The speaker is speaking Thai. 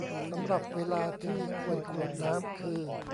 สำหรับเวลาที่ควรกรวดน้ำคือ